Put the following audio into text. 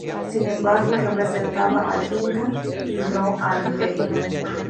Sin embargo, representaba al Inca y no al imperio.